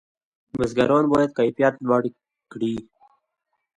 بزګران باید کیفیت لوړ کړي.